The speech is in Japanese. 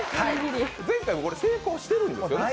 前回成功してるんですよね？